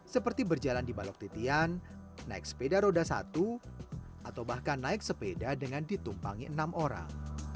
seperti berjalan di balok titian naik sepeda roda satu atau bahkan naik sepeda dengan ditumpangi enam orang